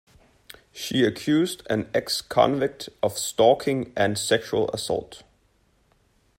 She accused an ex-convict of stalking and sexual assault.